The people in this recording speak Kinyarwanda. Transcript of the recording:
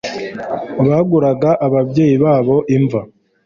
baguraga ababyeyi babo imva